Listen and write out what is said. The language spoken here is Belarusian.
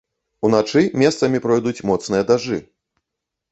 Уначы месцамі пройдуць моцныя дажджы.